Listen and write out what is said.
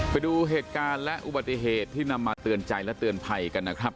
ไปดูเหตุการณ์และอุบัติเหตุที่นำมาเตือนใจและเตือนภัยกันนะครับ